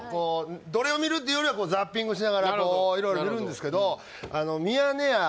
どれを見るっていうよりはザッピングしながら色々見るんですけど「ミヤネ屋」